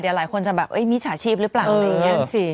เดี๋ยวหลายคนจะแบบมิจฉาชีพหรือเปล่าอะไรอย่างนี้